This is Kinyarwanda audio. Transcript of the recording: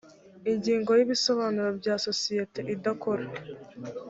ingingo ya ibisobanuro by isosiyete idakora